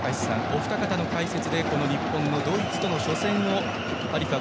お二方の解説でこの日本のドイツとの初戦をハリファ